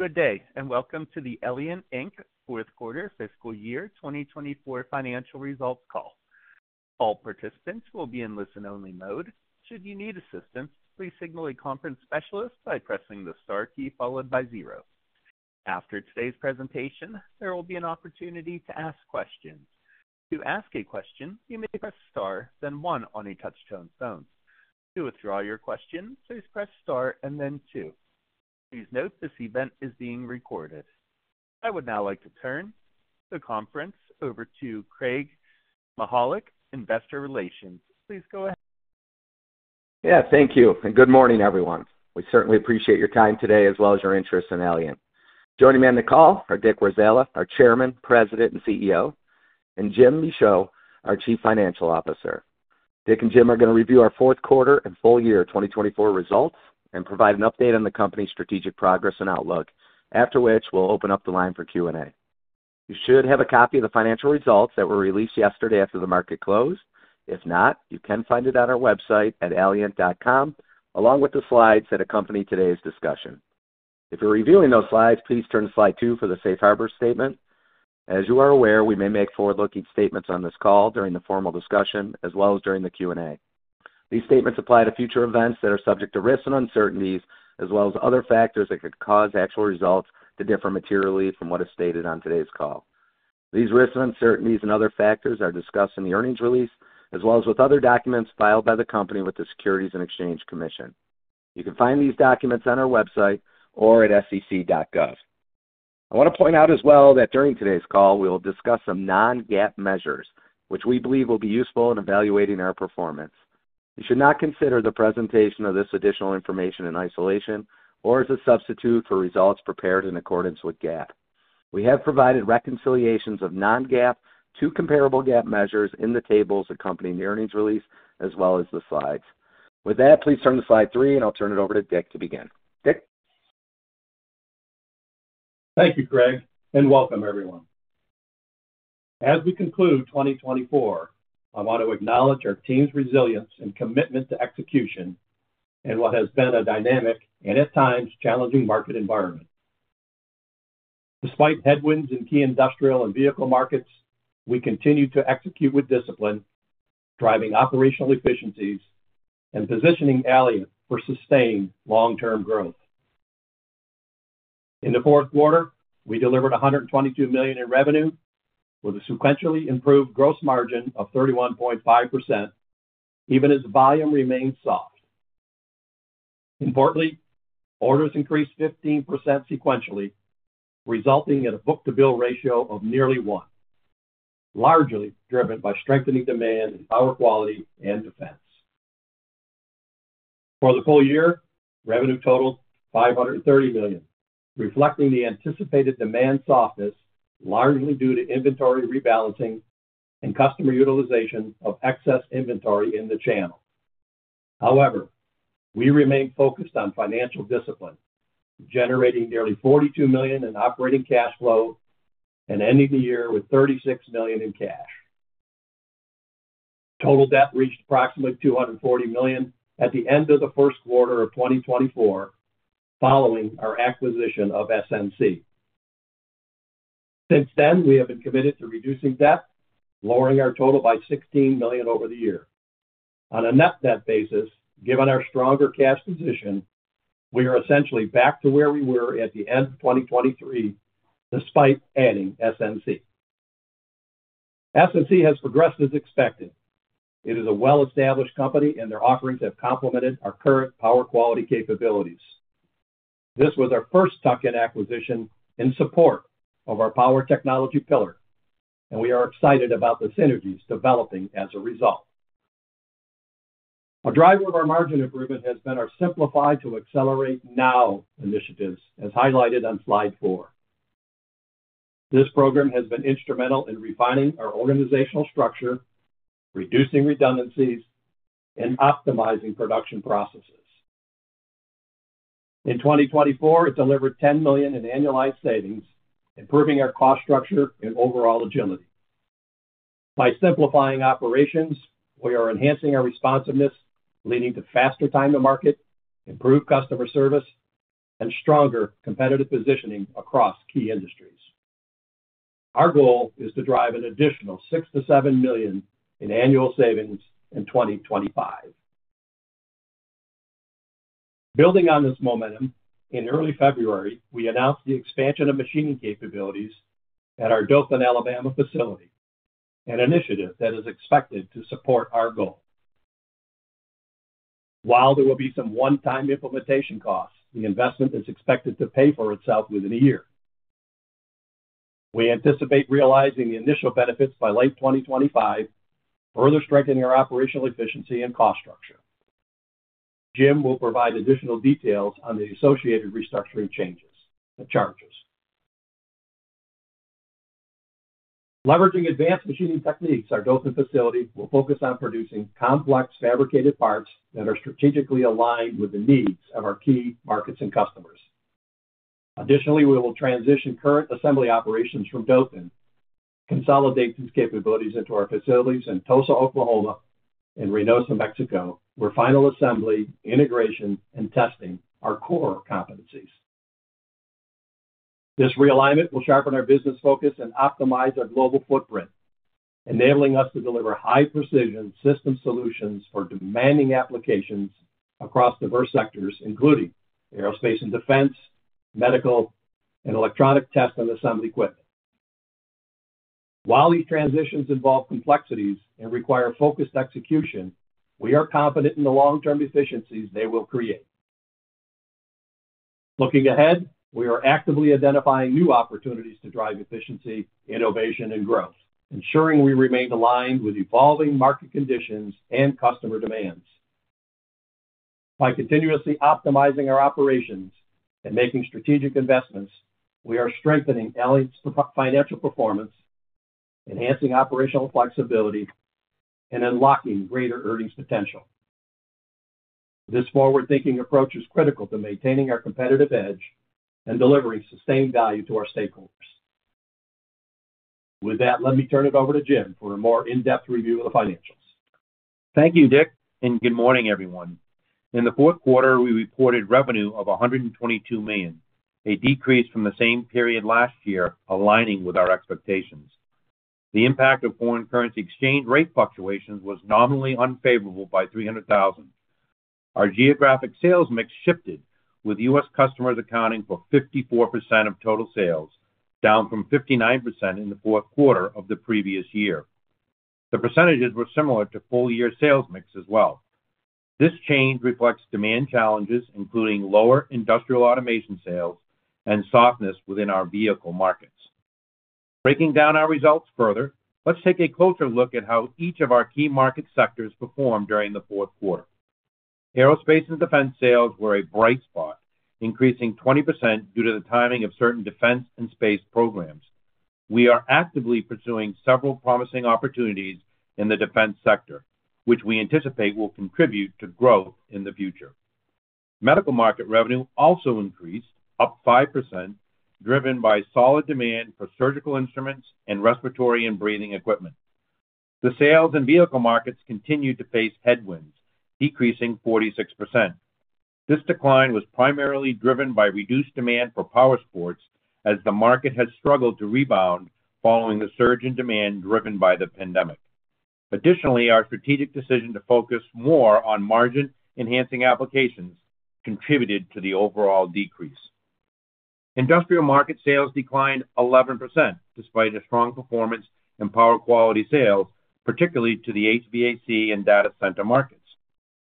Good day, and welcome to the Allient Inc. Fourth Quarter Fiscal Year 2024 Financial Results Call. All participants will be in listen-only mode. Should you need assistance, please signal a conference specialist by pressing the star key followed by zero. After today's presentation, there will be an opportunity to ask questions. To ask a question, you may press star, then one on a touch-tone phone. To withdraw your question, please press star and then two. Please note this event is being recorded. I would now like to turn the conference over to Craig Mychajluk, Investor Relations. Please go ahead. Yeah, thank you. Good morning, everyone. We certainly appreciate your time today, as well as your interest in Allient. Joining me on the call are Dick Warzala, our Chairman, President, and CEO, and Jim Michaud, our Chief Financial Officer. Dick and Jim are going to review our fourth quarter and full year 2024 results and provide an update on the company's strategic progress and outlook, after which we'll open up the line for Q&A. You should have a copy of the financial results that were released yesterday after the market closed. If not, you can find it on our website at allient.com, along with the slides that accompany today's discussion. If you're reviewing those slides, please turn to slide two for the Safe Harbor Statement. As you are aware, we may make forward-looking statements on this call during the formal discussion, as well as during the Q&A. These statements apply to future events that are subject to risks and uncertainties, as well as other factors that could cause actual results to differ materially from what is stated on today's call. These risks, uncertainties, and other factors are discussed in the earnings release, as well as with other documents filed by the company with the Securities and Exchange Commission. You can find these documents on our website or at sec.gov. I want to point out as well that during today's call, we will discuss some non-GAAP measures, which we believe will be useful in evaluating our performance. You should not consider the presentation of this additional information in isolation or as a substitute for results prepared in accordance with GAAP. We have provided reconciliations of non-GAAP to comparable GAAP measures in the tables accompanying the earnings release, as well as the slides. With that, please turn to slide three, and I'll turn it over to Dick to begin. Dick. Thank you, Craig, and welcome, everyone. As we conclude 2024, I want to acknowledge our team's resilience and commitment to execution in what has been a dynamic and, at times, challenging market environment. Despite headwinds in key industrial and vehicle markets, we continue to execute with discipline, driving operational efficiencies and positioning Allient for sustained long-term growth. In the fourth quarter, we delivered $122 million in revenue, with a sequentially improved gross margin of 31.5%, even as volume remained soft. Importantly, orders increased 15% sequentially, resulting in a book-to-bill ratio of nearly one, largely driven by strengthening demand in power quality and defense. For the full year, revenue totaled $530 million, reflecting the anticipated demand softness, largely due to inventory rebalancing and customer utilization of excess inventory in the channel. However, we remained focused on financial discipline, generating nearly $42 million in operating cash flow and ending the year with $36 million in cash. Total debt reached approximately $240 million at the end of the first quarter of 2024, following our acquisition of SMC. Since then, we have been committed to reducing debt, lowering our total by $16 million over the year. On a net debt basis, given our stronger cash position, we are essentially back to where we were at the end of 2023, despite adding SMC. SMC has progressed as expected. It is a well-established company, and their offerings have complemented our current power quality capabilities. This was our first tuck-in acquisition in support of our power technology pillar, and we are excited about the synergies developing as a result. A driver of our margin improvement has been our Simplify to Accelerate Now initiatives, as highlighted on slide four. This program has been instrumental in refining our organizational structure, reducing redundancies, and optimizing production processes. In 2024, it delivered $10 million in annualized savings, improving our cost structure and overall agility. By simplifying operations, we are enhancing our responsiveness, leading to faster time to market, improved customer service, and stronger competitive positioning across key industries. Our goal is to drive an additional $6 million-$7 million in annual savings in 2025. Building on this momentum, in early February, we announced the expansion of machining capabilities at our Dothan, Alabama, facility, an initiative that is expected to support our goal. While there will be some one-time implementation costs, the investment is expected to pay for itself within a year. We anticipate realizing the initial benefits by late 2025, further strengthening our operational efficiency and cost structure. Jim will provide additional details on the associated restructuring changes and charges. Leveraging advanced machining techniques, our Dothan facility will focus on producing complex fabricated parts that are strategically aligned with the needs of our key markets and customers. Additionally, we will transition current assembly operations from Dothan, consolidate these capabilities into our facilities in Tulsa, Oklahoma, and Reynosa, Mexico, where final assembly, integration, and testing are core competencies. This realignment will sharpen our business focus and optimize our global footprint, enabling us to deliver high-precision system solutions for demanding applications across diverse sectors, including aerospace and defense, medical, and electronic test and assembly equipment. While these transitions involve complexities and require focused execution, we are confident in the long-term efficiencies they will create. Looking ahead, we are actively identifying new opportunities to drive efficiency, innovation, and growth, ensuring we remain aligned with evolving market conditions and customer demands. By continuously optimizing our operations and making strategic investments, we are strengthening Allient's financial performance, enhancing operational flexibility, and unlocking greater earnings potential. This forward-thinking approach is critical to maintaining our competitive edge and delivering sustained value to our stakeholders. With that, let me turn it over to Jim for a more in-depth review of the financials. Thank you, Dick, and good morning, everyone. In the fourth quarter, we reported revenue of $122 million, a decrease from the same period last year, aligning with our expectations. The impact of foreign currency exchange rate fluctuations was nominally unfavorable by $300,000. Our geographic sales mix shifted, with U.S. customers accounting for 54% of total sales, down from 59% in the fourth quarter of the previous year. The percentages were similar to full-year sales mix as well. This change reflects demand challenges, including lower industrial automation sales and softness within our vehicle markets. Breaking down our results further, let's take a closer look at how each of our key market sectors performed during the fourth quarter. Aerospace and defense sales were a bright spot, increasing 20% due to the timing of certain defense and space programs. We are actively pursuing several promising opportunities in the defense sector, which we anticipate will contribute to growth in the future. Medical market revenue also increased, up 5%, driven by solid demand for surgical instruments and respiratory and breathing equipment. The sales and vehicle markets continued to face headwinds, decreasing 46%. This decline was primarily driven by reduced demand for power sports, as the market has struggled to rebound following the surge in demand driven by the pandemic. Additionally, our strategic decision to focus more on margin-enhancing applications contributed to the overall decrease. Industrial market sales declined 11%, despite a strong performance in power quality sales, particularly to the HVAC and data center markets.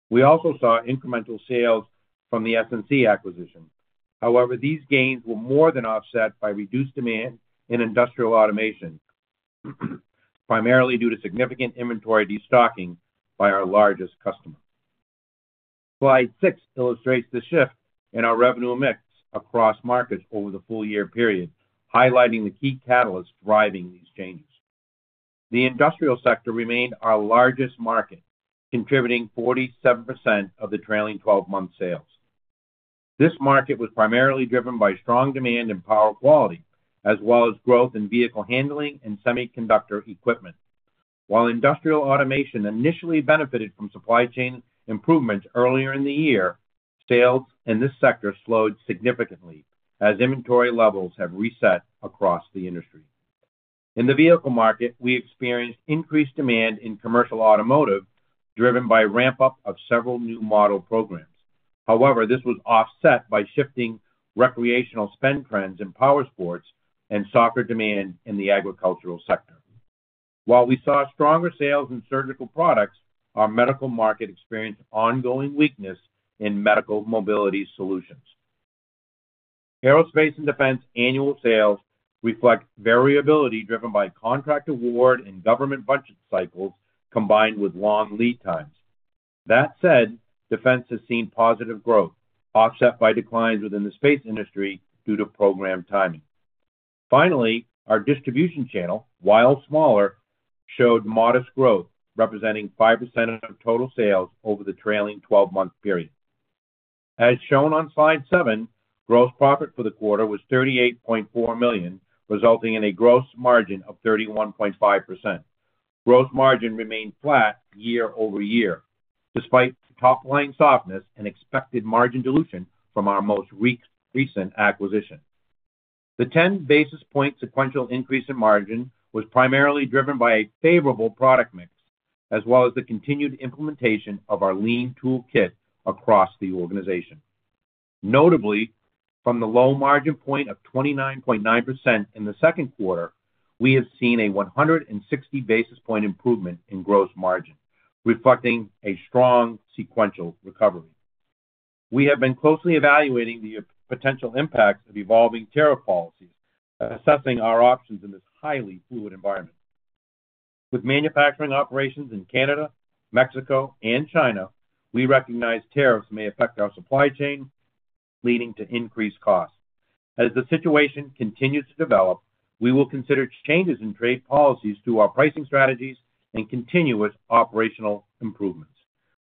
We also saw incremental sales from the SMC acquisition. However, these gains were more than offset by reduced demand in industrial automation, primarily due to significant inventory destocking by our largest customer. Slide six illustrates the shift in our revenue mix across markets over the full-year period, highlighting the key catalysts driving these changes. The industrial sector remained our largest market, contributing 47% of the trailing 12-month sales. This market was primarily driven by strong demand in power quality, as well as growth in vehicle handling and semiconductor equipment. While industrial automation initially benefited from supply chain improvements earlier in the year, sales in this sector slowed significantly, as inventory levels have reset across the industry. In the vehicle market, we experienced increased demand in commercial automotive, driven by a ramp-up of several new model programs. However, this was offset by shifting recreational spend trends in power sports and softer demand in the agricultural sector. While we saw stronger sales in surgical products, our medical market experienced ongoing weakness in medical mobility solutions. Aerospace and defense annual sales reflect variability driven by contract award and government budget cycles, combined with long lead times. That said, defense has seen positive growth, offset by declines within the space industry due to program timing. Finally, our distribution channel, while smaller, showed modest growth, representing 5% of total sales over the trailing 12-month period. As shown on slide seven, gross profit for the quarter was $38.4 million, resulting in a gross margin of 31.5%. Gross margin remained flat year over year, despite top-line softness and expected margin dilution from our most recent acquisition. The 10 basis point sequential increase in margin was primarily driven by a favorable product mix, as well as the continued implementation of our lean toolkit across the organization. Notably, from the low margin point of 29.9% in the second quarter, we have seen a 160 basis point improvement in gross margin, reflecting a strong sequential recovery. We have been closely evaluating the potential impacts of evolving tariff policies, assessing our options in this highly fluid environment. With manufacturing operations in Canada, Mexico, and China, we recognize tariffs may affect our supply chain, leading to increased costs. As the situation continues to develop, we will consider changes in trade policies to our pricing strategies and continuous operational improvements.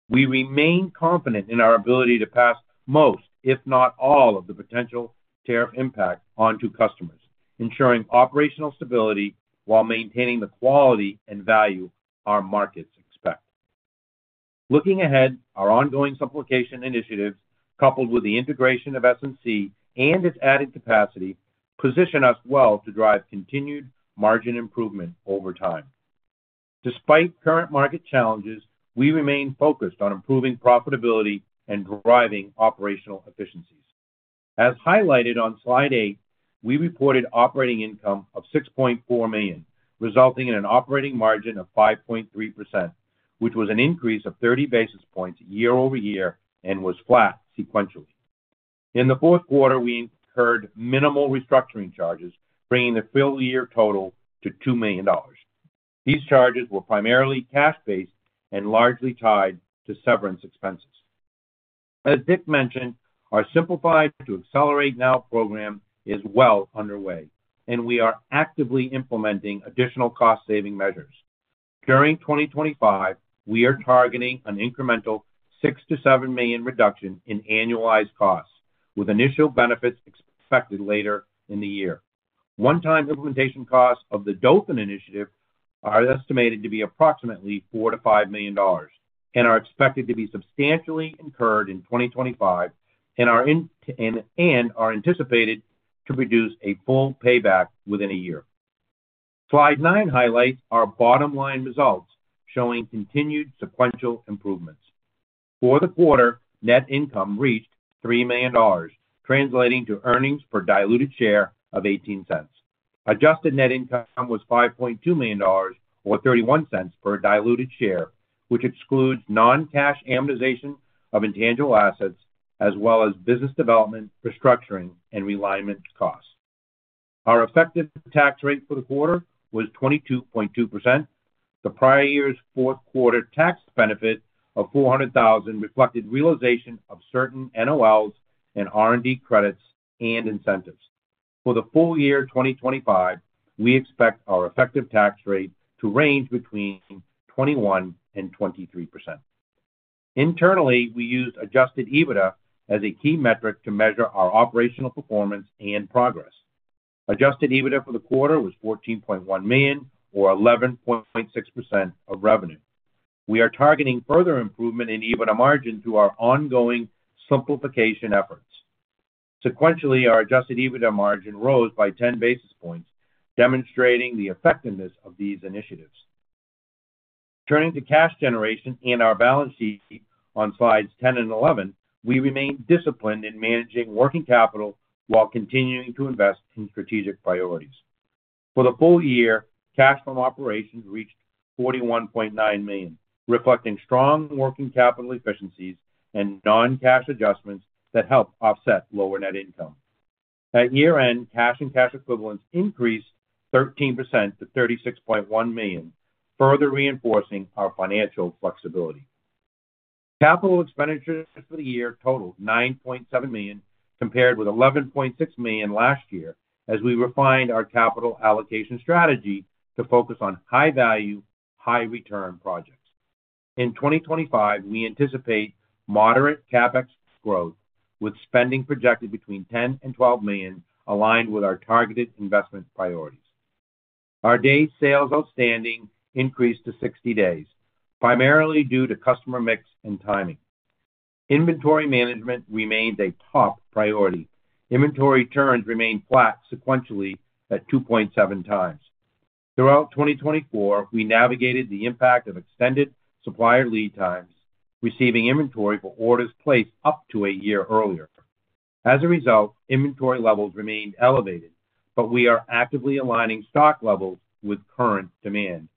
We remain confident in our ability to pass most, if not all, of the potential tariff impact onto customers, ensuring operational stability while maintaining the quality and value our markets expect. Looking ahead, our ongoing supplication initiatives, coupled with the integration of SMC and its added capacity, position us well to drive continued margin improvement over time. Despite current market challenges, we remain focused on improving profitability and driving operational efficiencies. As highlighted on slide eight, we reported operating income of $6.4 million, resulting in an operating margin of 5.3%, which was an increase of 30 basis points year over year and was flat sequentially. In the fourth quarter, we incurred minimal restructuring charges, bringing the full-year total to $2 million. These charges were primarily cash-based and largely tied to severance expenses. As Dick mentioned, our Simplify to Accelerate Now program is well underway, and we are actively implementing additional cost-saving measures. During 2025, we are targeting an incremental $6 million-$7 million reduction in annualized costs, with initial benefits expected later in the year. One-time implementation costs of the Dothan initiative are estimated to be approximately $4 million-$5 million and are expected to be substantially incurred in 2025 and are anticipated to produce a full payback within a year. Slide nine highlights our bottom-line results, showing continued sequential improvements. For the quarter, net income reached $3 million, translating to earnings per diluted share of $0.18. Adjusted net income was $5.2 million, or $0.31 per diluted share, which excludes non-cash amortization of intangible assets, as well as business development, restructuring, and realignment costs. Our effective tax rate for the quarter was 22.2%. The prior year's fourth quarter tax benefit of $400,000 reflected realization of certain NOLs and R&D credits and incentives. For the full year 2025, we expect our effective tax rate to range between 21%-23%. Internally, we used adjusted EBITDA as a key metric to measure our operational performance and progress. Adjusted EBITDA for the quarter was $14.1 million, or 11.6% of revenue. We are targeting further improvement in EBITDA margin through our ongoing simplification efforts. Sequentially, our adjusted EBITDA margin rose by 10 basis points, demonstrating the effectiveness of these initiatives. Turning to cash generation in our balance sheet on slides 10 and 11, we remain disciplined in managing working capital while continuing to invest in strategic priorities. For the full year, cash from operations reached $41.9 million, reflecting strong working capital efficiencies and non-cash adjustments that help offset lower net income. At year-end, cash and cash equivalents increased 13% to $36.1 million, further reinforcing our financial flexibility. Capital expenditures for the year totaled $9.7 million, compared with $11.6 million last year, as we refined our capital allocation strategy to focus on high-value, high-return projects. In 2025, we anticipate moderate CapEx growth, with spending projected between $10 million and $12 million, aligned with our targeted investment priorities. Our days sales outstanding increased to 60 days, primarily due to customer mix and timing. Inventory management remained a top priority. Inventory turns remained flat sequentially at 2.7 times. Throughout 2024, we navigated the impact of extended supplier lead times, receiving inventory for orders placed up to a year earlier. As a result, inventory levels remained elevated, but we are actively aligning stock levels with current demand.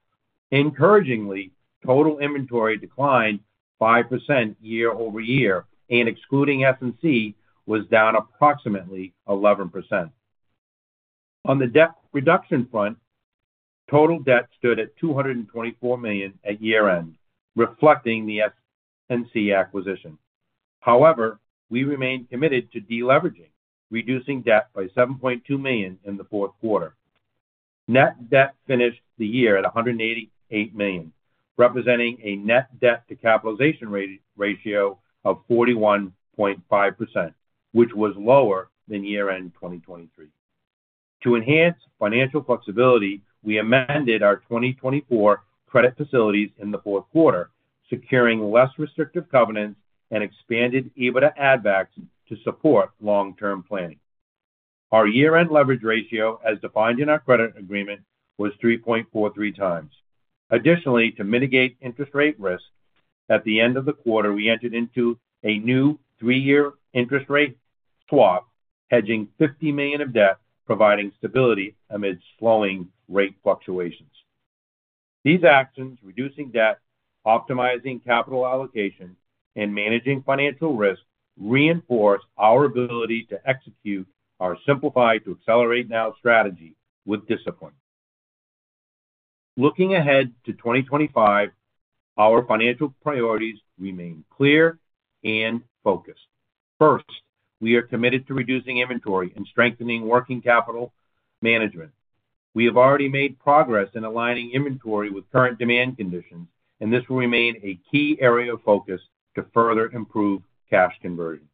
Encouragingly, total inventory declined 5% year over year, and excluding SMC, was down approximately 11%. On the debt reduction front, total debt stood at $224 million at year-end, reflecting the SMC acquisition. However, we remained committed to deleveraging, reducing debt by $7.2 million in the fourth quarter. Net debt finished the year at $188 million, representing a net debt-to-capitalization ratio of 41.5%, which was lower than year-end 2023. To enhance financial flexibility, we amended our 2024 credit facilities in the fourth quarter, securing less restrictive covenants and expanded EBITDA add-backs to support long-term planning. Our year-end leverage ratio, as defined in our credit agreement, was 3.43 times. Additionally, to mitigate interest rate risk, at the end of the quarter, we entered into a new three-year interest rate swap, hedging $50 million of debt, providing stability amid slowing rate fluctuations. These actions, reducing debt, optimizing capital allocation, and managing financial risk, reinforce our ability to execute our Simplify to Accelerate Now strategy with discipline. Looking ahead to 2025, our financial priorities remain clear and focused. First, we are committed to reducing inventory and strengthening working capital management. We have already made progress in aligning inventory with current demand conditions, and this will remain a key area of focus to further improve cash conversion.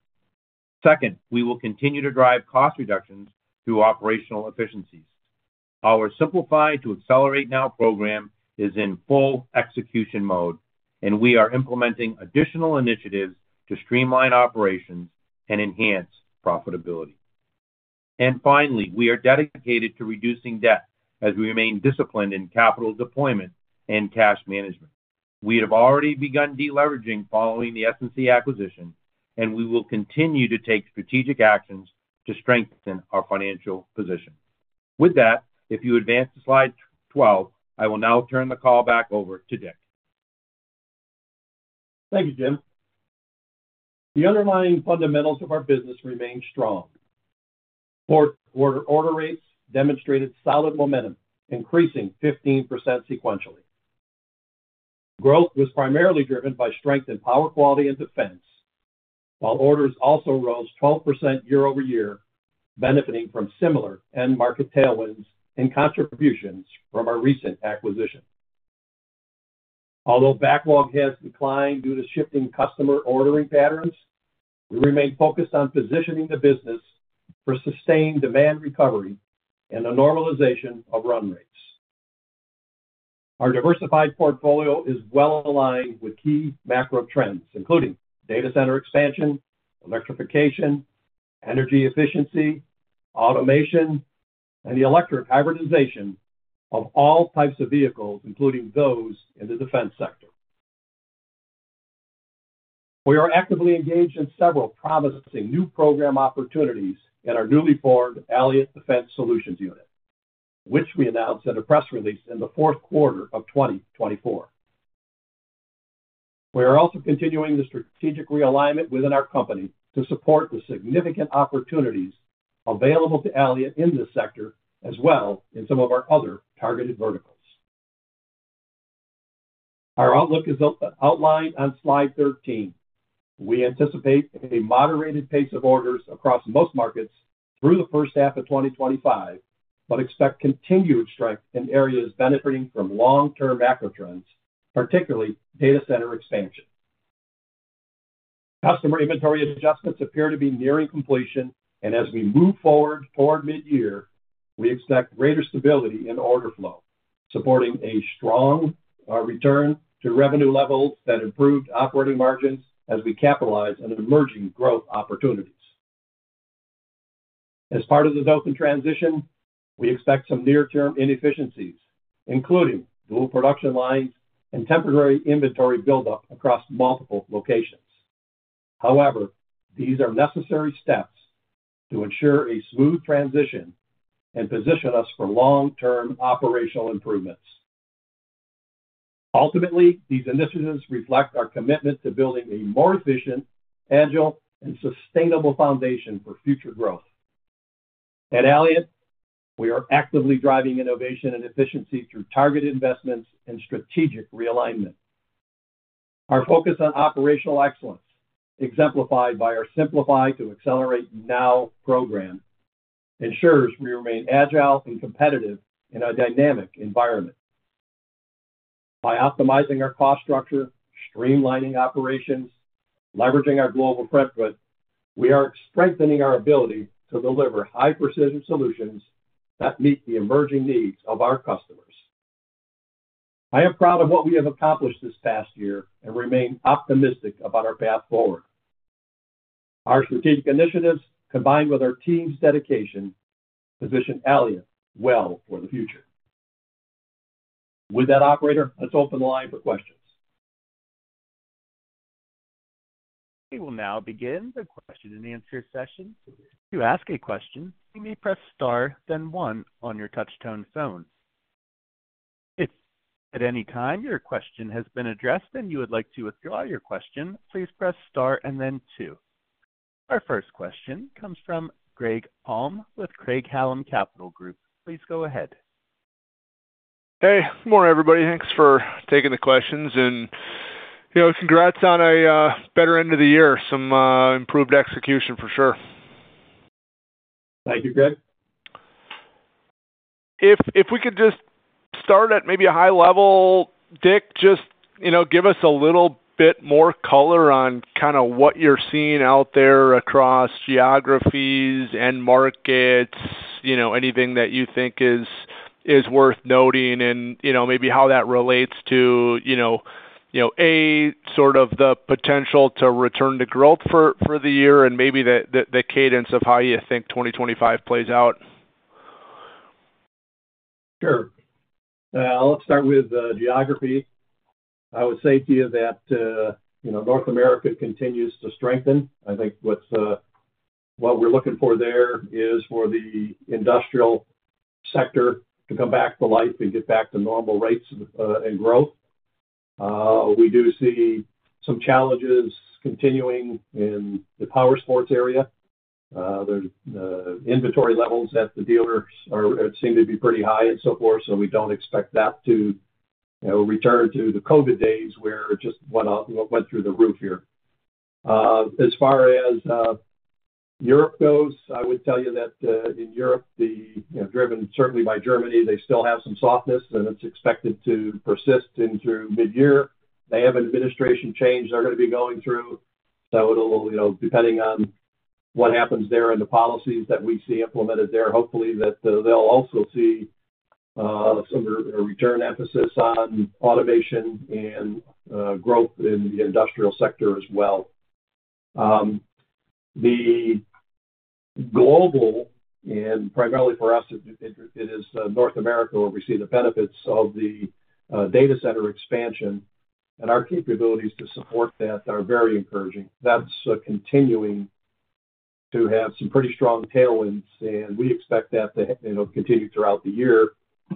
Second, we will continue to drive cost reductions through operational efficiencies. Our Simplify to Accelerate Now program is in full execution mode, and we are implementing additional initiatives to streamline operations and enhance profitability. Finally, we are dedicated to reducing debt as we remain disciplined in capital deployment and cash management. We have already begun deleveraging following the SMC acquisition, and we will continue to take strategic actions to strengthen our financial position. With that, if you advance to slide 12, I will now turn the call back over to Dick. Thank you, Jim. The underlying fundamentals of our business remain strong. Fourth quarter order rates demonstrated solid momentum, increasing 15% sequentially. Growth was primarily driven by strength in power quality and defense, while orders also rose 12% year over year, benefiting from similar end-market tailwinds and contributions from our recent acquisition. Although backlog has declined due to shifting customer ordering patterns, we remain focused on positioning the business for sustained demand recovery and the normalization of run rates. Our diversified portfolio is well aligned with key macro trends, including data center expansion, electrification, energy efficiency, automation, and the electric hybridization of all types of vehicles, including those in the defense sector. We are actively engaged in several promising new program opportunities in our newly formed Allient Defense Solutions Unit, which we announced in a press release in the fourth quarter of 2024. We are also continuing the strategic realignment within our company to support the significant opportunities available to Allient in this sector, as well as in some of our other targeted verticals. Our outlook is outlined on slide 13. We anticipate a moderated pace of orders across most markets through the first half of 2025, but expect continued strength in areas benefiting from long-term macro trends, particularly data center expansion. Customer inventory adjustments appear to be nearing completion, and as we move forward toward mid-year, we expect greater stability in order flow, supporting a strong return to revenue levels that improved operating margins as we capitalize on emerging growth opportunities. As part of the Dothan transition, we expect some near-term inefficiencies, including dual production lines and temporary inventory buildup across multiple locations. However, these are necessary steps to ensure a smooth transition and position us for long-term operational improvements. Ultimately, these initiatives reflect our commitment to building a more efficient, agile, and sustainable foundation for future growth. At Allient, we are actively driving innovation and efficiency through targeted investments and strategic realignment. Our focus on operational excellence, exemplified by our Simplify to Accelerate Now program, ensures we remain agile and competitive in a dynamic environment. By optimizing our cost structure, streamlining operations, and leveraging our global footprint, we are strengthening our ability to deliver high-precision solutions that meet the emerging needs of our customers. I am proud of what we have accomplished this past year and remain optimistic about our path forward. Our strategic initiatives, combined with our team's dedication, position Allient well for the future. With that, Operator, let's open the line for questions. We will now begin the question and answer session. To ask a question, you may press Star, then one on your touch-tone phone. If at any time your question has been addressed and you would like to withdraw your question, please press Star and then two. Our first question comes from Greg Palm with Craig-Hallum Capital Group. Please go ahead. Hey, morning everybody. Thanks for taking the questions. And congrats on a better end of the year. Some improved execution for sure. Thank you, Greg. If we could just start at maybe a high level, Dick, just give us a little bit more color on kind of what you're seeing out there across geographies and markets, anything that you think is worth noting, and maybe how that relates to, A, sort of the potential to return to growth for the year, and maybe the cadence of how you think 2025 plays out. Sure. Let's start with geography. I would say to you that North America continues to strengthen. I think what we're looking for there is for the industrial sector to come back to life and get back to normal rates and growth. We do see some challenges continuing in the power sports area. The inventory levels at the dealers seem to be pretty high and so forth, so we don't expect that to return to the COVID days where it just went through the roof here. As far as Europe goes, I would tell you that in Europe, driven certainly by Germany, they still have some softness, and it's expected to persist into mid-year. They have an administration change they're going to be going through, so depending on what happens there and the policies that we see implemented there, hopefully that they'll also see some return emphasis on automation and growth in the industrial sector as well. The global, and primarily for us, it is North America where we see the benefits of the data center expansion, and our capabilities to support that are very encouraging. That's continuing to have some pretty strong tailwinds, and we expect that to continue throughout the year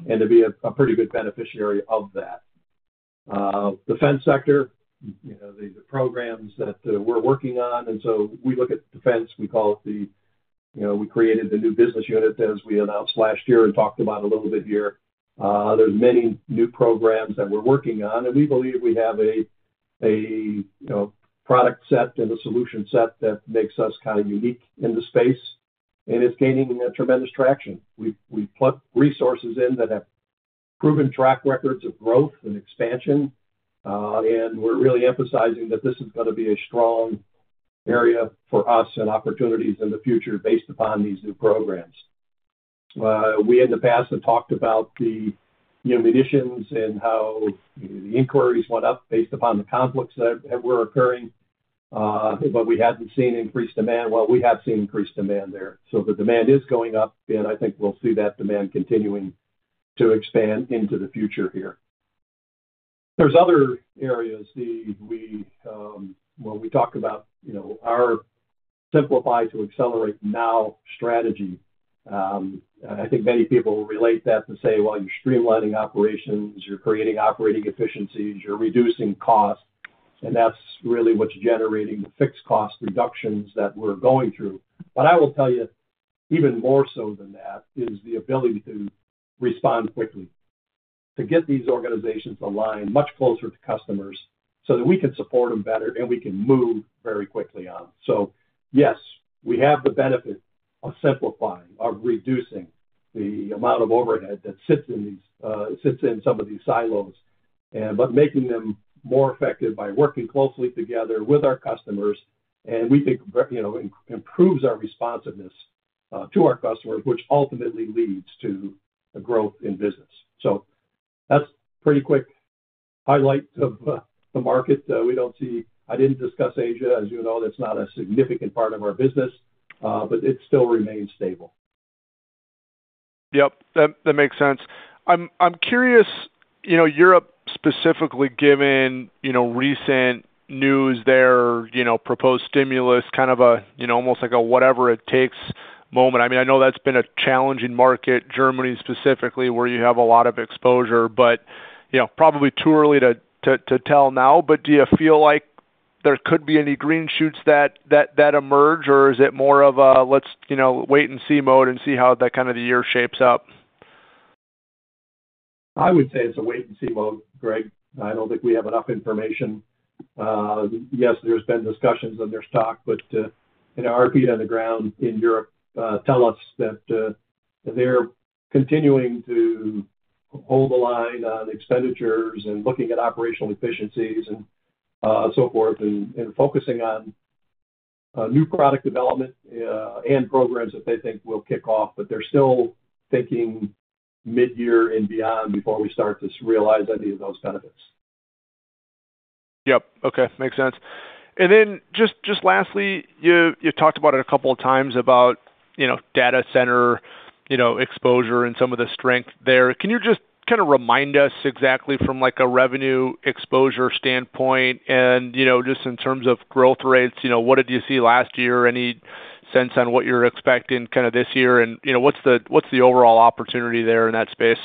and to be a pretty good beneficiary of that. Defense sector, the programs that we're working on, and we look at defense. We call it the we created the new business unit as we announced last year and talked about a little bit here. There's many new programs that we're working on, and we believe we have a product set and a solution set that makes us kind of unique in the space, and it's gaining tremendous traction. We've put resources in that have proven track records of growth and expansion, and we're really emphasizing that this is going to be a strong area for us and opportunities in the future based upon these new programs. We, in the past, have talked about the munitions and how the inquiries went up based upon the conflicts that were occurring, but we hadn't seen increased demand. We have seen increased demand there. The demand is going up, and I think we'll see that demand continuing to expand into the future here. There are other areas. When we talk about our Simplify to Accelerate Now strategy, I think many people relate that to say, "Well, you're streamlining operations, you're creating operating efficiencies, you're reducing costs," and that's really what's generating the fixed cost reductions that we're going through. I will tell you, even more so than that, is the ability to respond quickly, to get these organizations aligned much closer to customers so that we can support them better and we can move very quickly on. Yes, we have the benefit of simplifying, of reducing the amount of overhead that sits in some of these silos, but making them more effective by working closely together with our customers, and we think improves our responsiveness to our customers, which ultimately leads to growth in business. That's a pretty quick highlight of the market. I didn't discuss Asia. As you know, that's not a significant part of our business, but it still remains stable. Yep. That makes sense. I'm curious, Europe specifically, given recent news there, proposed stimulus, kind of almost like a whatever-it-takes moment. I mean, I know that's been a challenging market, Germany specifically, where you have a lot of exposure, but probably too early to tell now. Do you feel like there could be any green shoots that emerge, or is it more of a wait-and-see mode and see how that kind of year shapes up? I would say it's a wait-and-see mode, Greg. I do not think we have enough information. Yes, there have been discussions on their stock, but our feet on the ground in Europe tell us that they are continuing to hold the line on expenditures and looking at operational efficiencies and so forth, and focusing on new product development and programs that they think will kick off, but they are still thinking mid-year and beyond before we start to realize any of those benefits. Yep. Okay. Makes sense. Lastly, you talked about it a couple of times, about data center exposure and some of the strength there. Can you just kind of remind us exactly from a revenue exposure standpoint, and just in terms of growth rates, what did you see last year? Any sense on what you're expecting kind of this year, and what's the overall opportunity there in that space?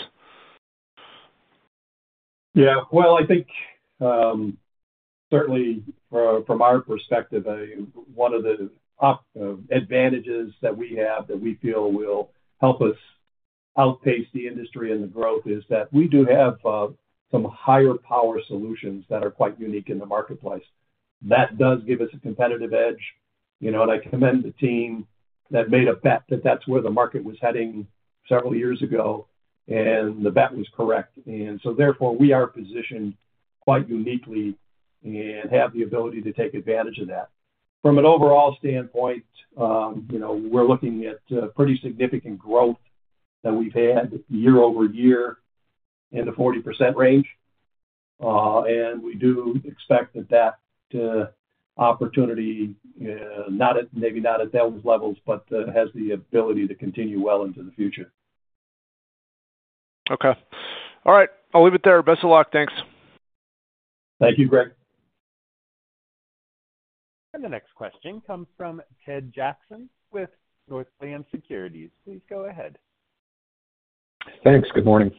Yeah. I think certainly from our perspective, one of the advantages that we have that we feel will help us outpace the industry and the growth is that we do have some higher power solutions that are quite unique in the marketplace. That does give us a competitive edge, and I commend the team that made a bet that that's where the market was heading several years ago, and the bet was correct. Therefore, we are positioned quite uniquely and have the ability to take advantage of that. From an overall standpoint, we're looking at pretty significant growth that we've had year over year in the 40% range, and we do expect that that opportunity, maybe not at those levels, but has the ability to continue well into the future. Okay. All right. I'll leave it there. Best of luck. Thanks. Thank you, Greg. The next question comes from Ted Jackson with Northland Securities. Please go ahead. Thanks. Good morning.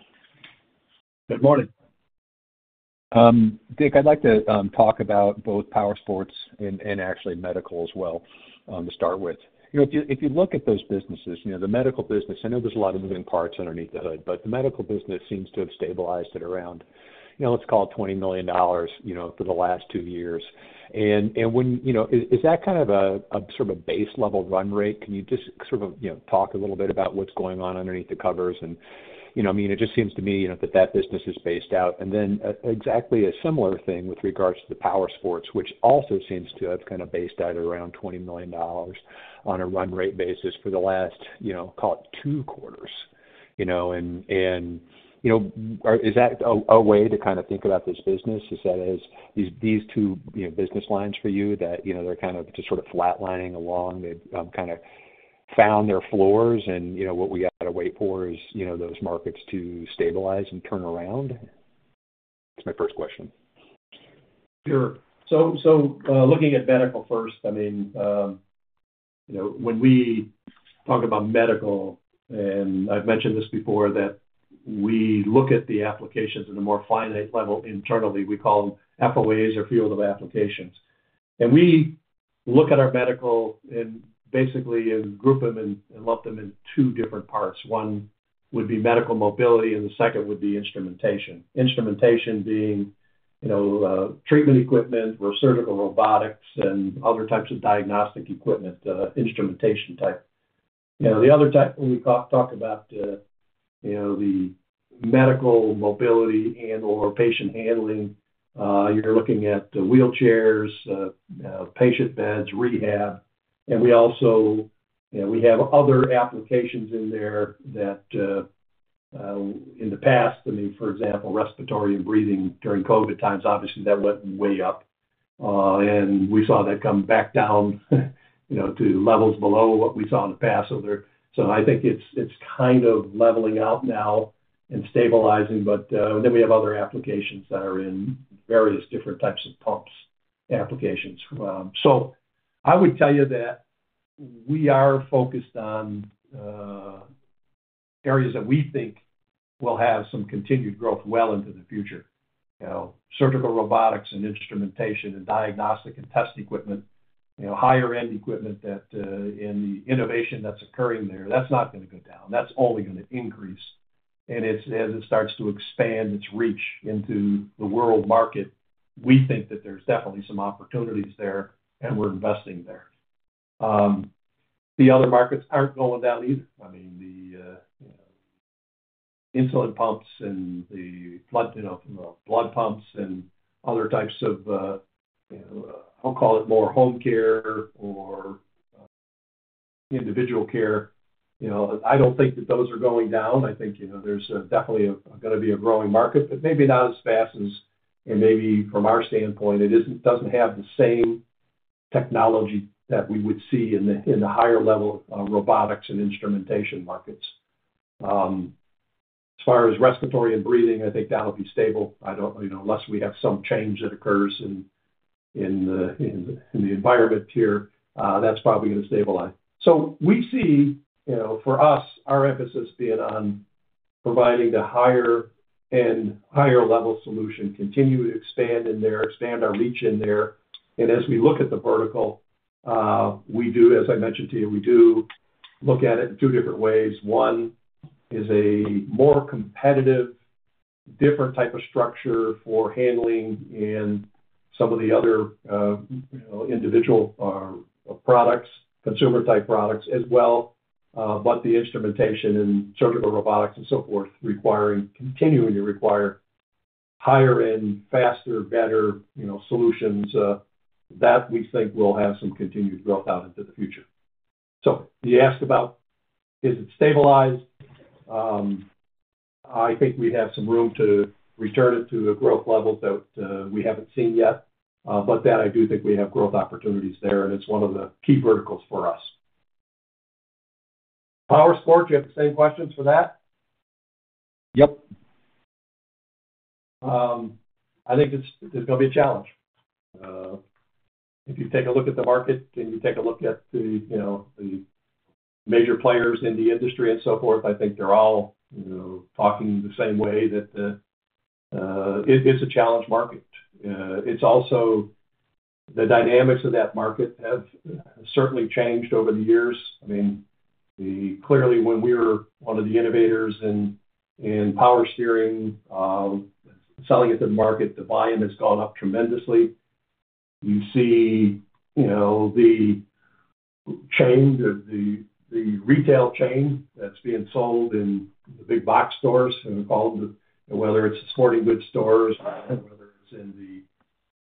Good morning. Dick, I'd like to talk about both power sports and actually medical as well to start with. If you look at those businesses, the medical business, I know there's a lot of moving parts underneath the hood, but the medical business seems to have stabilized at around, let's call it $20 million for the last two years. Is that kind of a sort of a base-level run rate? Can you just sort of talk a little bit about what's going on underneath the covers? I mean, it just seems to me that that business is based out. Exactly a similar thing with regards to the power sports, which also seems to have kind of based out at around $20 million on a run rate basis for the last, call it, two quarters. Is that a way to kind of think about this business? Is that as these two business lines for you that they're kind of just sort of flatlining along? They've kind of found their floors, and what we have to wait for is those markets to stabilize and turn around? That's my first question. Sure. Looking at medical first, I mean, when we talk about medical, and I've mentioned this before, that we look at the applications at a more finite level internally. We call them FOAs or field of applications. We look at our medical and basically group them and lump them in two different parts. One would be medical mobility, and the second would be instrumentation. Instrumentation being treatment equipment or surgical robotics and other types of diagnostic equipment, instrumentation type. The other type we talk about is the medical mobility and/or patient handling. You're looking at wheelchairs, patient beds, rehab. We have other applications in there that in the past, I mean, for example, respiratory and breathing during COVID times, obviously that went way up, and we saw that come back down to levels below what we saw in the past. I think it's kind of leveling out now and stabilizing, but then we have other applications that are in various different types of pumps applications. I would tell you that we are focused on areas that we think will have some continued growth well into the future. Surgical robotics and instrumentation and diagnostic and test equipment, higher-end equipment that in the innovation that's occurring there, that's not going to go down. That's only going to increase. As it starts to expand its reach into the world market, we think that there's definitely some opportunities there, and we're investing there. The other markets aren't going down either. I mean, the insulin pumps and the blood pumps and other types of, I'll call it more home care or individual care. I don't think that those are going down. I think there's definitely going to be a growing market, but maybe not as fast as, and maybe from our standpoint, it doesn't have the same technology that we would see in the higher-level robotics and instrumentation markets. As far as respiratory and breathing, I think that'll be stable. Unless we have some change that occurs in the environment here, that's probably going to stabilize. We see, for us, our emphasis being on providing the higher-end, higher-level solution, continue to expand in there, expand our reach in there. As we look at the vertical, as I mentioned to you, we do look at it in two different ways. One is a more competitive, different type of structure for handling and some of the other individual products, consumer-type products as well, but the instrumentation and surgical robotics and so forth requiring, continuing to require higher-end, faster, better solutions that we think will have some continued growth out into the future. You asked about, is it stabilized? I think we have some room to return it to the growth levels that we have not seen yet, but I do think we have growth opportunities there, and it is one of the key verticals for us. Power sports, you have the same questions for that? Yep. I think it is going to be a challenge. If you take a look at the market and you take a look at the major players in the industry and so forth, I think they are all talking the same way that it is a challenge market. It's also the dynamics of that market have certainly changed over the years. I mean, clearly when we were one of the innovators in power steering, selling it to the market, the volume has gone up tremendously. You see the chain, the retail chain that's being sold in the big box stores, whether it's the sporting goods stores or whether it's in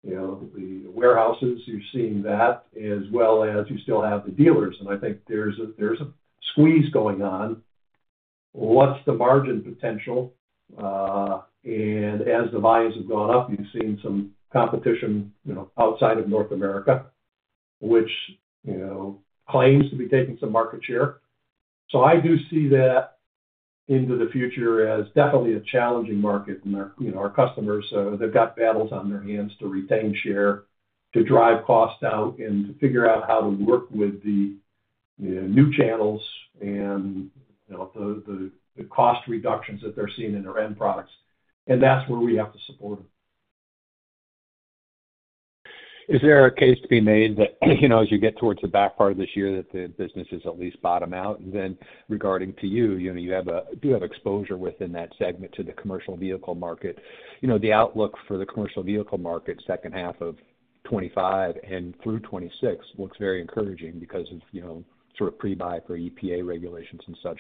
the warehouses, you're seeing that, as well as you still have the dealers. I think there's a squeeze going on. What's the margin potential? As the volumes have gone up, you've seen some competition outside of North America, which claims to be taking some market share. I do see that into the future as definitely a challenging market. Our customers, they've got battles on their hands to retain share, to drive cost out, and to figure out how to work with the new channels and the cost reductions that they're seeing in their end products. That is where we have to support them. Is there a case to be made that as you get towards the back part of this year, that the business has at least bottomed out? Regarding you, you do have exposure within that segment to the commercial vehicle market. The outlook for the commercial vehicle market, second half of 2025 and through 2026, looks very encouraging because of sort of pre-buy for EPA regulations and such.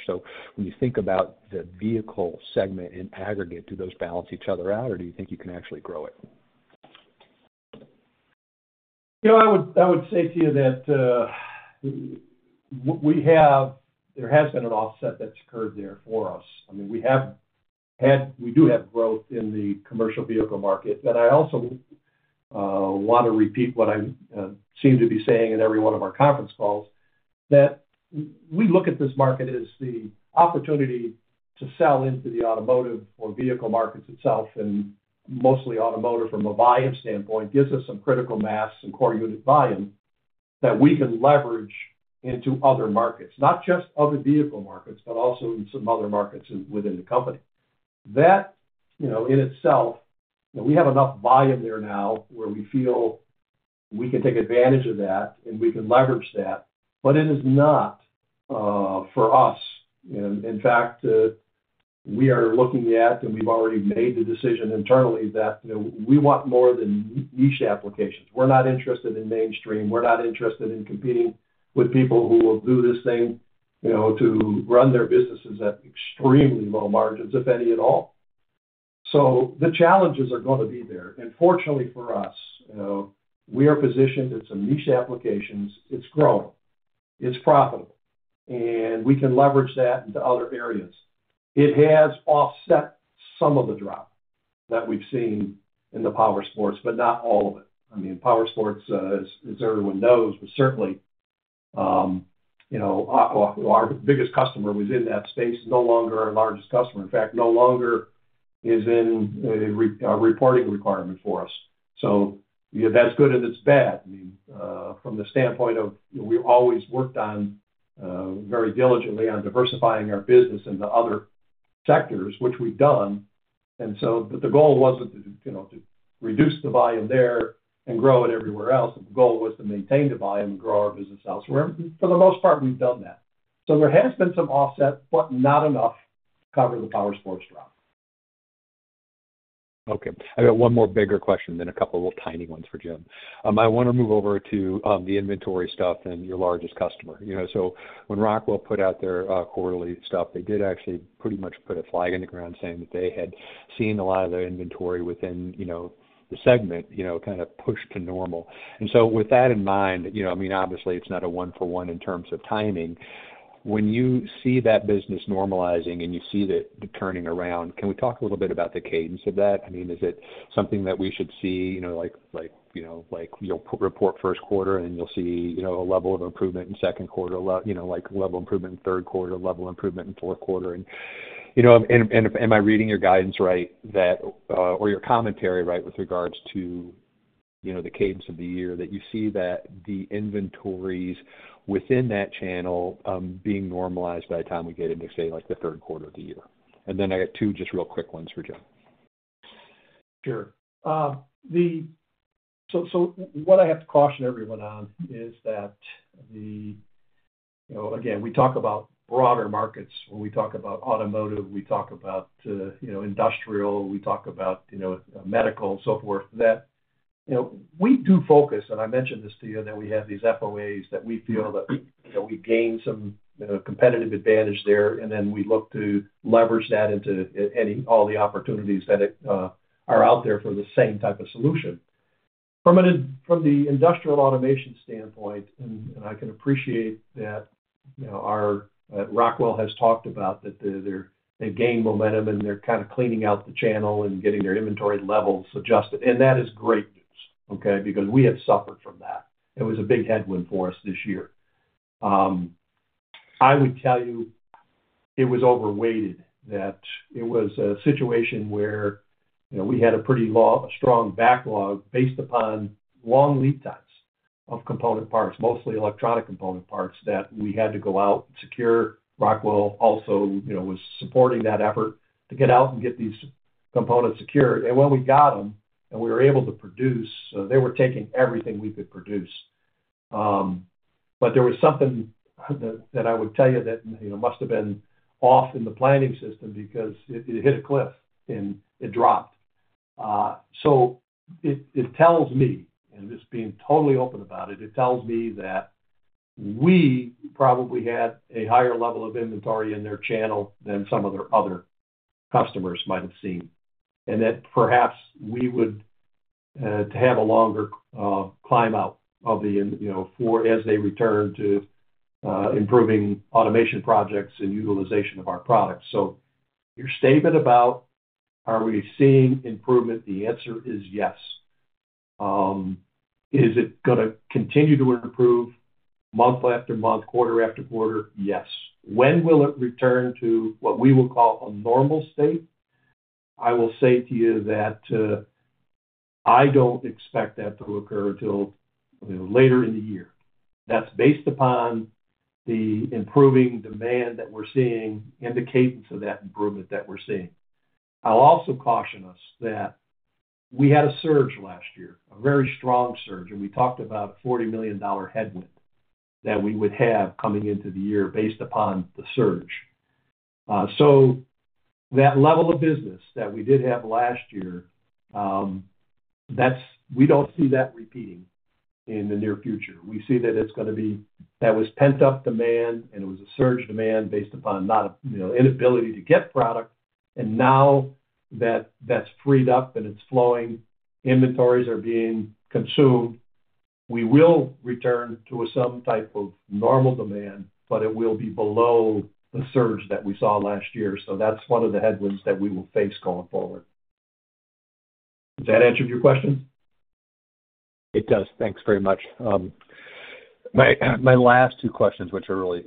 When you think about the vehicle segment in aggregate, do those balance each other out, or do you think you can actually grow it? I would say to you that there has been an offset that's occurred there for us. I mean, we do have growth in the commercial vehicle market. I also want to repeat what I seem to be saying in every one of our conference calls, that we look at this market as the opportunity to sell into the automotive or vehicle markets itself, and mostly automotive from a volume standpoint, gives us some critical mass and core unit volume that we can leverage into other markets, not just other vehicle markets, but also in some other markets within the company. That in itself, we have enough volume there now where we feel we can take advantage of that and we can leverage that, but it is not for us. In fact, we are looking at, and we've already made the decision internally that we want more than niche applications. We're not interested in mainstream. We're not interested in competing with people who will do this thing to run their businesses at extremely low margins, if any at all. The challenges are going to be there. Fortunately for us, we are positioned in some niche applications. It's growing. It's profitable. We can leverage that into other areas. It has offset some of the drop that we've seen in the power sports, but not all of it. I mean, power sports, as everyone knows, was certainly our biggest customer was in that space, no longer our largest customer. In fact, no longer is in a reporting requirement for us. That's good and it's bad. I mean, from the standpoint of we always worked very diligently on diversifying our business in the other sectors, which we've done. The goal was not to reduce the volume there and grow it everywhere else. The goal was to maintain the volume and grow our business elsewhere. For the most part, we've done that. There has been some offset, but not enough to cover the power sports drop. Okay. I've got one more bigger question, then a couple of little tiny ones for Jim. I want to move over to the inventory stuff and your largest customer. When Rockwell put out their quarterly stuff, they actually pretty much put a flag in the ground saying that they had seen a lot of their inventory within the segment kind of pushed to normal. With that in mind, I mean, obviously, it's not a one-for-one in terms of timing. When you see that business normalizing and you see it turning around, can we talk a little bit about the cadence of that? I mean, is it something that we should see like you'll report first quarter, and then you'll see a level of improvement in second quarter, like level improvement in third quarter, level improvement in fourth quarter? Am I reading your guidance right or your commentary right with regards to the cadence of the year that you see that the inventories within that channel being normalized by the time we get into, say, the third quarter of the year? I got two just real quick ones for Jim. Sure. What I have to caution everyone on is that, again, we talk about broader markets. When we talk about automotive, we talk about industrial, we talk about medical, so forth, that we do focus, and I mentioned this to you, that we have these FOAs that we feel that we gain some competitive advantage there, and then we look to leverage that into all the opportunities that are out there for the same type of solution. From the industrial automation standpoint, I can appreciate that Rockwell has talked about that they've gained momentum and they're kind of cleaning out the channel and getting their inventory levels adjusted. That is great news, because we have suffered from that. It was a big headwind for us this year. I would tell you it was overrated that it was a situation where we had a pretty strong backlog based upon long lead times of component parts, mostly electronic component parts, that we had to go out and secure. Rockwell also was supporting that effort to get out and get these components secured. When we got them and we were able to produce, they were taking everything we could produce. There was something that I would tell you that must have been off in the planning system because it hit a cliff and it dropped. It tells me, and this being totally open about it, it tells me that we probably had a higher level of inventory in their channel than some of their other customers might have seen, and that perhaps we would have a longer climb out of the four as they return to improving automation projects and utilization of our products. Your statement about are we seeing improvement, the answer is yes. Is it going to continue to improve month after month, quarter after quarter? Yes. When will it return to what we will call a normal state? I will say to you that I do not expect that to occur until later in the year. That is based upon the improving demand that we are seeing and the cadence of that improvement that we are seeing. I'll also caution us that we had a surge last year, a very strong surge, and we talked about a $40 million headwind that we would have coming into the year based upon the surge. That level of business that we did have last year, we don't see that repeating in the near future. We see that it's going to be that was pent-up demand, and it was a surge demand based upon not an inability to get product. Now that that's freed up and it's flowing, inventories are being consumed. We will return to some type of normal demand, but it will be below the surge that we saw last year. That's one of the headwinds that we will face going forward. Does that answer your questions? It does. Thanks very much. My last two questions, which are really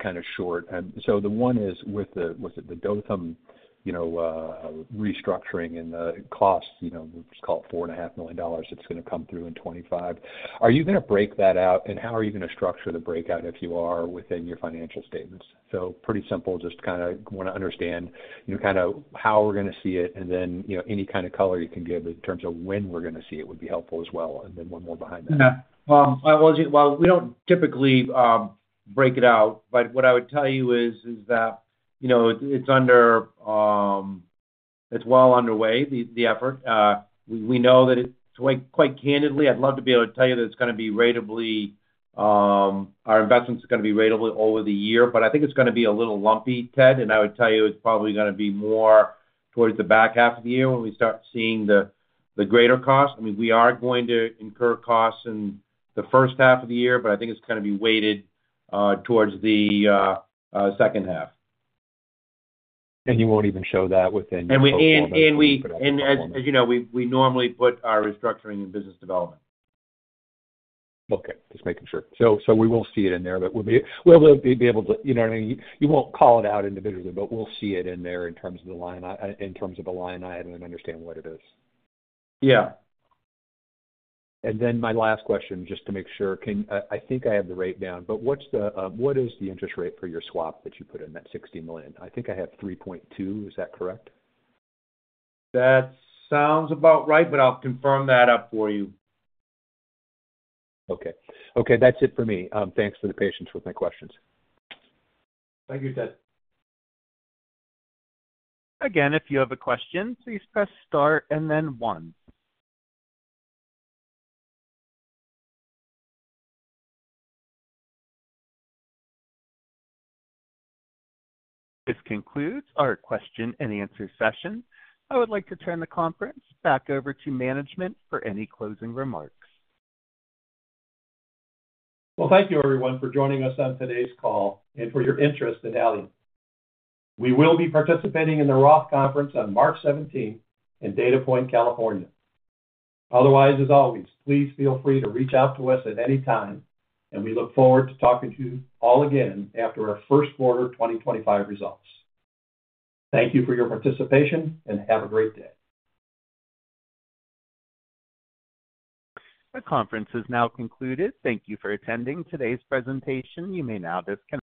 kind of short. The one is with the Dothan restructuring and the costs, we'll just call it $4.5 million. It's going to come through in 2025. Are you going to break that out, and how are you going to structure the breakout if you are within your financial statements? Pretty simple, just kind of want to understand kind of how we're going to see it, and then any kind of color you can give in terms of when we're going to see it would be helpful as well. One more behind that. Yeah. We don't typically break it out, but what I would tell you is that it's well underway, the effort. We know that quite candidly, I'd love to be able to tell you that it's going to be ratably, our investments are going to be ratably over the year, but I think it's going to be a little lumpy, Ted. I would tell you it's probably going to be more towards the back half of the year when we start seeing the greater costs. I mean, we are going to incur costs in the first half of the year, but I think it's going to be weighted towards the second half. You won't even show that within your financial statements? As you know, we normally put our restructuring in business development. Okay. Just making sure. We will see it in there, but we'll be able to, you know what I mean? You won't call it out individually, but we'll see it in there in terms of the line item and understand what it is. Yeah. Then my last question, just to make sure, I think I have the rate down, but what is the interest rate for your swap that you put in, that $60 million? I think I have 3.2. Is that correct? That sounds about right, but I'll confirm that up for you. Okay. Okay. That's it for me. Thanks for the patience with my questions. Thank you, Ted. Again, if you have a question, please press star and then one. This concludes our question and answer session. I would like to turn the conference back over to management for any closing remarks. Thank you, everyone, for joining us on today's call and for your interest in Allient. We will be participating in the Roth conference on March 17 in Dana Point, California. Otherwise, as always, please feel free to reach out to us at any time, and we look forward to talking to you all again after our first quarter 2025 results. Thank you for your participation, and have a great day. The conference is now concluded. Thank you for attending today's presentation. You may now disconnect.